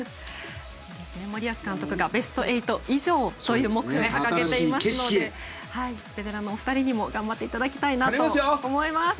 森保監督がベスト８以上という目標を掲げていますのでベテランのお二人にも頑張っていただきたいなと思います。